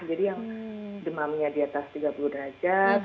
jadi yang demamnya di atas tiga puluh derajat